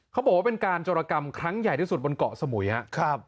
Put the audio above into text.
เขาบอกว่าเป็นการโจรกรรมครั้งใหญ่ที่สุดบนเกาะสมุยครับ